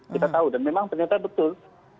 kita tahu dan memang ternyata betul